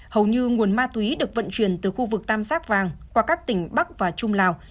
hầu như nguồn ma túy được vận chuyển từ khu vực tam giác vàng qua các tỉnh bắc và trung lào